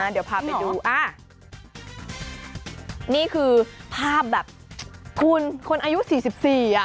เดี๋ยวพาไปดูอ่ะนี่คือภาพแบบคุณคนอายุ๔๔อ่ะ